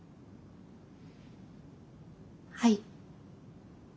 はい。